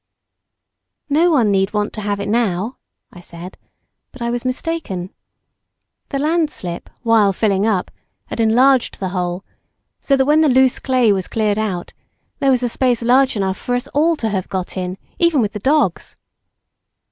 "No one need want to have it now," I said, but I was mistaken. The landslip, while filling up, had enlarged the hole, so that when the loose clay was cleared out, there was a space large enough for us all to have got in, even with the dogs.